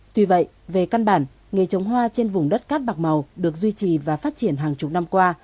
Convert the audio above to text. tuy vậy về căn bản nghề trồng hoa trên vùng đất cát bạc màu được duy trì và phát triển hàng chục năm qua